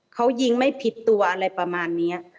เขายิงไม่ผิดตัวอะไรประมาณนี้